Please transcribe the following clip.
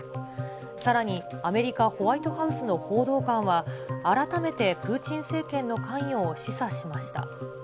さらにアメリカ・ホワイトハウスの報道官は、改めてプーチン政権の関与を示唆しました。